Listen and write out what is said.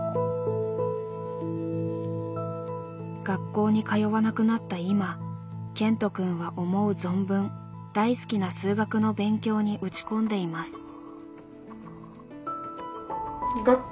学校に通わなくなった今ケントくんは思う存分大好きな数学の勉強に打ち込んでいます。